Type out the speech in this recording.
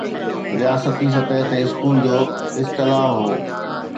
رياستي سطح تي اسڪول جو اصطلاح هو